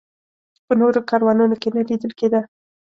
په نورو کاروانونو کې نه لیدل کېده.